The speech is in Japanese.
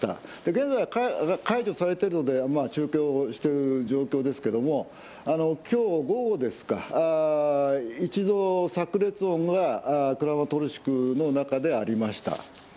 現在は解除されているので中継をしている状況ですが今日の午後、１度炸裂音がクラマトルシクの中でありました。